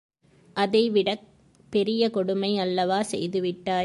அதைவிடப் பெரிய கொடுமை யல்லவா செய்து விட்டாய்.